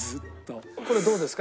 これはどうですか？